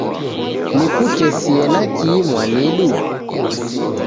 Nikutesie na kihi mwanidu?